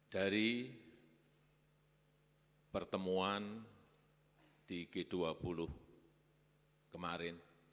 dari pertemuan di g dua puluh kemarin